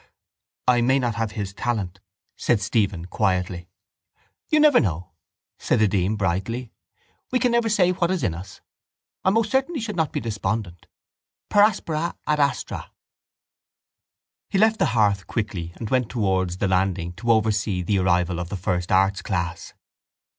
—I may not have his talent, said Stephen quietly. —You never know, said the dean brightly. We never can say what is in us. I most certainly should not be despondent. Per aspera ad astra. He left the hearth quickly and went towards the landing to oversee the arrival of the first arts' class.